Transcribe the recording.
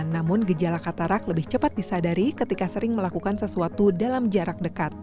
namun gejala katarak lebih cepat disadari ketika sering melakukan sesuatu dalam jarak dekat